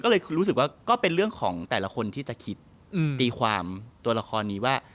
ก็เลยรู้สึกว่าก็เป็นเรื่องของแต่ละคนที่จะคิดตีความตัวละครนี้ว่า